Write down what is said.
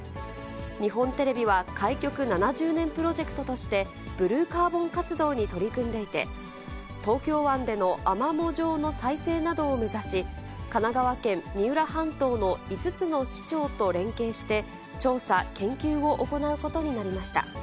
日本テレビは開局７０年プロジェクトとして、ブルーカーボン活動に取り組んでいて、東京湾でのアマモ場の再生などを目指し、神奈川県三浦半島の５つの市町と連携して、調査・研究を行うことになりました。